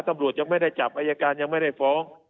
ตำรวจยังไม่ได้จับอายการยังไม่ได้ฟ้อง